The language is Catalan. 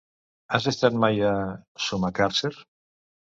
Has estat mai a Sumacàrcer?